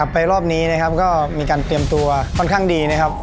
รอบนี้นะครับก็มีการเตรียมตัวค่อนข้างดีนะครับ